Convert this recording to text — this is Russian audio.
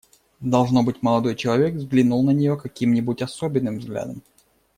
Должно быть, молодой человек взглянул на нее каким-нибудь особенным взглядом.